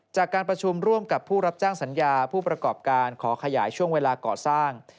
จากการประชุมร่วมกับผู้รับจ้างสัญญาผู้ประกอบการขอขยายช่วงเวลาก่อสร้าง